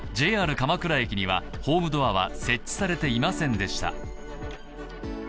鎌倉駅にはホームドアは設置されていませんでした。